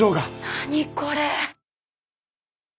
何これ。